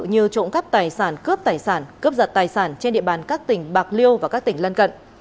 như trộm cắp tài sản cướp tài sản cướp giật tài sản trên địa bàn các tỉnh bạc liêu và các tỉnh lân cận